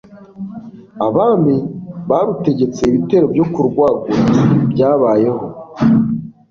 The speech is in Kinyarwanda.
abami barutegetse, ibitero byo kurwagura byabayeho